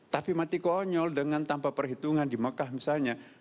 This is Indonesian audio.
tapi mati konyol dengan tanpa perhitungan di mekah misalnya